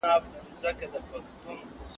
د ژبې ساتنه يې ملي دنده بلله.